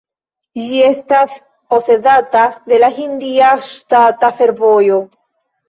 Ĝi estas posedata de la Hindia ŝtata fervojo.